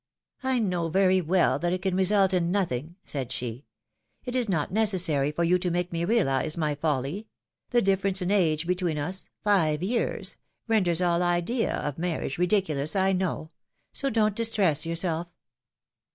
know very well that it can result in nothing,^^ said she; ^^it is not necessary for you to make me realize ray folly; the difference in age between us — five years — renders all idea of marriage ridiculous, I know ; so don't distress yourself."